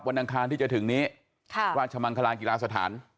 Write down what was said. อังคารที่จะถึงนี้ราชมังคลากีฬาสถาน